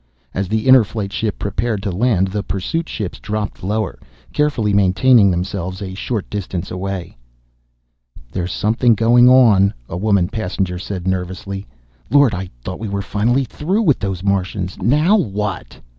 As the Inner Flight ship prepared to land the pursuit ships dropped lower, carefully maintaining themselves a short distance away. "There's something going on," a woman passenger said nervously. "Lord, I thought we were finally through with those Martians. Now what?"